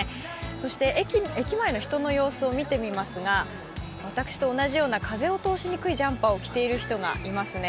そして駅前の人の様子を見てみますが、私と同じような風を通しにくいジャンパーを着ている人がいますね。